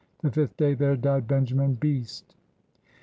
The fifth day there died Benjamin Beast.